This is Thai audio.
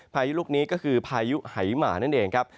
พายุลูกนี้ก็คือพายุหายหมานั่นเองครับ